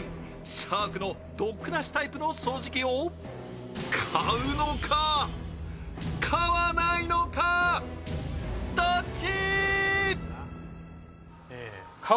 シャークのドックなしタイプの掃除機を買うのか、買わないのかどっち！